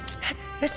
えっ？